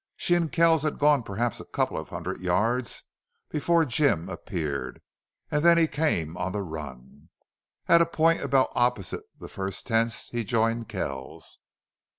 She and Kells had gone perhaps a couple of hundred yards before Jim appeared, and then he came on the run. At a point about opposite the first tents he joined Kells.